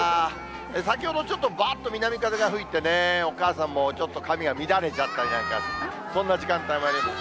先ほどちょっとばっと南風が吹いて、お母さんもちょっと髪が乱れちゃったりなんか、そんな時間帯もありました。